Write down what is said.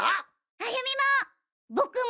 歩美も！